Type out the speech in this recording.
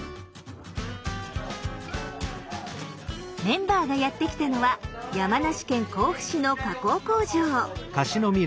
メンバーがやって来たのは山梨県甲府市の加工工場。